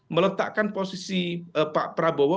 meletakkan posisi pak prabowo